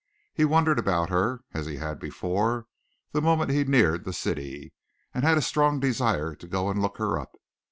He wondered about her (as he had before) the moment he neared the city, and had a strong desire to go and look her up.